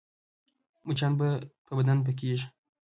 مچان په بدن پکېږي